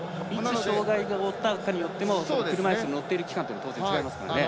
いつ障がいを負ったかによって車いすに乗っている期間は当然違いますからね。